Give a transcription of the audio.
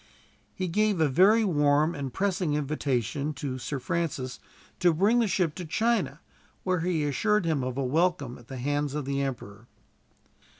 He gave a very warm and pressing invitation to Sir Francis to bring the ship to China, where he assured him of a welcome at the hands of the emperor.